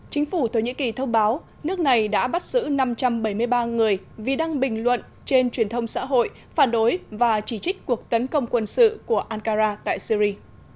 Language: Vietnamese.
chính phủ thổ nhĩ kỳ thông báo nước này đã bắt giữ năm trăm bảy mươi ba người vì đang bình luận trên truyền thông xã hội phản đối và chỉ trích cuộc tấn công quân sự của ankara tại syri